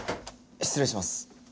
失礼します。